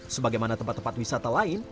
sebagaimana tempat tempat wisata lain